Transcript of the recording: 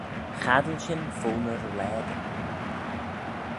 Chaddil shin fo ny rollageyn.